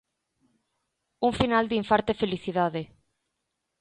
Un final de infarto e felicidade.